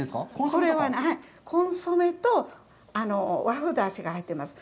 これはコンソメと和風出汁が入ってます。